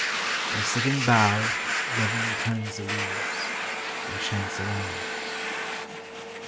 And sitting bowed Lovingly turns the leaves and chants aloud.